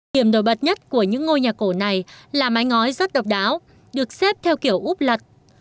điểm nổi bật nhất của những ngôi nhà cổ này là mái ngói rất độc đáo được xếp theo kiểu úp lật